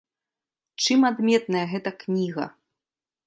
Чым адметная гэта кніга?